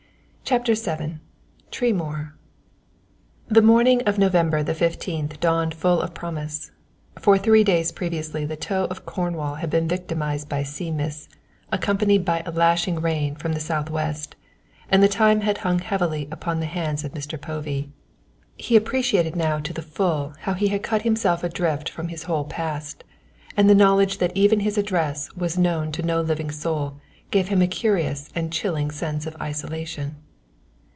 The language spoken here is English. CHAPTER VII TREMOOR The morning of November the fifteenth dawned full of promise. For three days previously the toe of Cornwall had been victimized by sea mists, accompanied by a lashing rain from the south west, and the time had hung heavily upon the hands of Mr. Povey. He appreciated now to the full how he had cut himself adrift from his whole past, and the knowledge that even his address was known to no living soul gave him a curious and chilling sense of isolation.